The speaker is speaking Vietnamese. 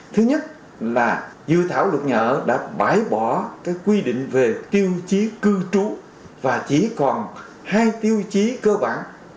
thứ nhất là dự thảo luật nhà ở đã bãi bỏ quy định về tiêu chí cư trú và chỉ còn hai tiêu chí cơ bản